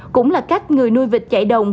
cũng là cách người nuôi vịt chạy đồng